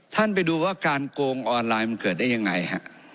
ไปดูว่าการโกงออนไลน์มันเกิดได้ยังไงฮะ